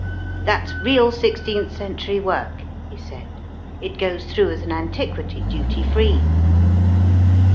" That's real sixteenth century work," he said. It goes through as an antiquity, duty free."